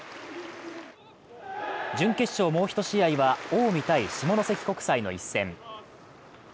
準決勝、もう一試合は近江×下関国際の一戦。